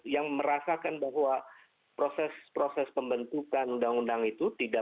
yang merasakan bahwa proses proses pembentukan undang undang itu tidak